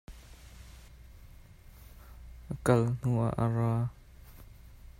A kal hnu ah ka ra.